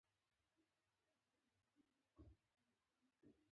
موږ د کیسو په وسیله پر یوه بل باور کوو.